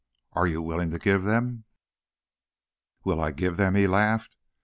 Are you willing to give them?" "Will I give them?" he laughed.